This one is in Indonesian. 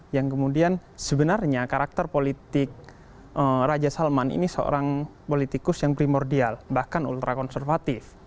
yang kemudian sebenarnya karakter politik raja salman ini seorang politikus yang primordial bahkan ultra konservatif